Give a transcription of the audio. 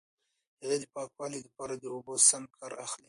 هغې د پاکوالي لپاره د اوبو سم کار اخلي.